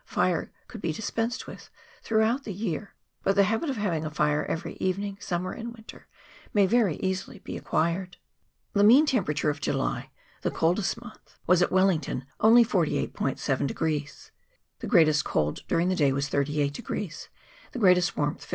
fire could be dispensed with throughout the year, but the habit of having a fire every evening, summer and winter, may very easily be acquired. The mean temperature of July the coldest month was at Wellington only 48 7 ; the greatest cold during the day was 38 ; the greatest warmth 57.